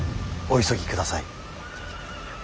お急ぎください。